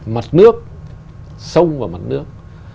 mặt nước sông và mặt nước